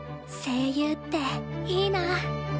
声優っていいな。